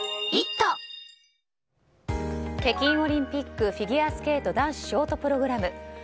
北京オリンピックフィギュアスケート男子ショートプログラム。